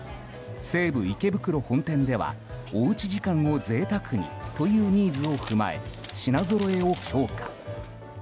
西武池袋本店ではおうち時間を贅沢にというニーズを踏まえ品ぞろえを強化。